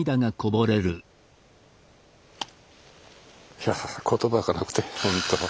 いや言葉がなくてほんと。